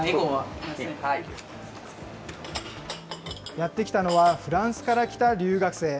やって来たのは、フランスから来た留学生。